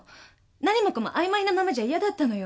何もかもあいまいなままじゃ嫌だったのよ。